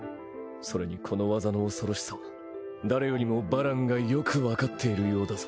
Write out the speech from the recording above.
それにこの技の恐ろしさは誰よりもバランがよくわかっているようだぞ。